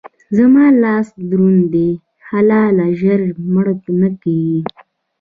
زما لاس دروند دی؛ حلاله ژر مړه نه کېږي.